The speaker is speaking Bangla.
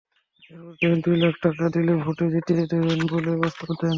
এরপর তিনি দুই লাখ টাকা দিলে ভোটে জিতিয়ে দেবেন বলে প্রস্তাব দেন।